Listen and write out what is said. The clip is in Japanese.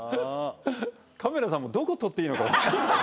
カメラさんもどこ撮っていいのか。